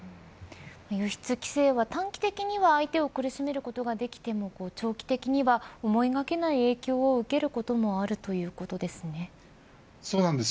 輸出規制は短期的には相手を苦しめることができても長期的には、思いがけない影響を受けることもそうなんです。